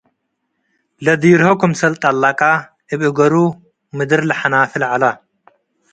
ለዲርሆ ክምሰል ትጠለ'ቀ እብ እገሩ ምድር ለሐናፍል ዐለ።